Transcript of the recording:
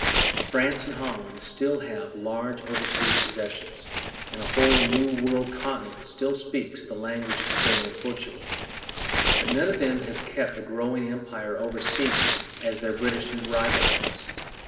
France and Holland still have large oversea possessions; and a whole new world continent still speaks the languages of Spain and Portugal. But none of them has kept a growing empire oversea as their British rival has.